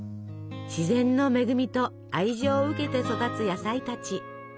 自然の恵みと愛情を受けて育つ野菜たち。